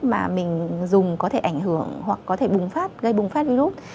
mà mình dùng có thể ảnh hưởng hoặc có thể gây bùng phát virus